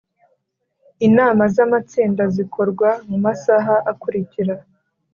Inama z amatsinda zikorwa mu masaha akurikira